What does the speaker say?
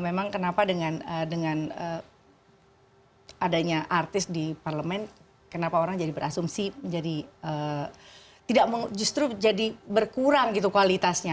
memang kenapa dengan adanya artis di parlemen kenapa orang jadi berasumsi menjadi tidak justru jadi berkurang gitu kualitasnya